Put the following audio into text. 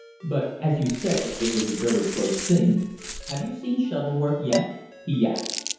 But, as you say, it was a very close thing. Have you seen Shuttleworth yet?' he asked.